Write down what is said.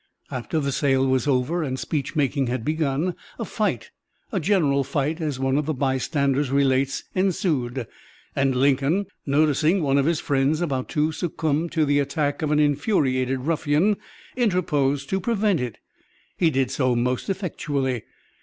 After the sale was over and speechmaking had begun, a fight a 'general fight' as one of the bystanders relates ensued, and Lincoln, noticing one of his friends about to succumb to the attack of an infuriated ruffian, interposed to prevent it. He did so most effectually.